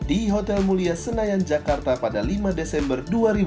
di hotel mulia senayan jakarta pada lima desember dua ribu dua puluh